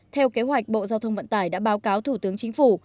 theo kế hoạch bộ giao thông vận tải đã báo cáo thủ tướng chính phủ